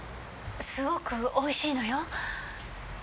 すごくおいしいのよ？